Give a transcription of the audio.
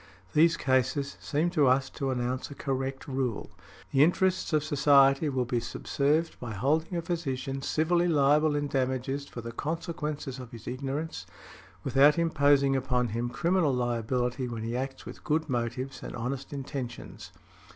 These cases seem to us to announce a correct rule. The interests of society will be subserved by holding a physician civilly liable in damages for the consequences of his ignorance, without imposing upon him criminal liability when he acts with good motives and honest intentions" .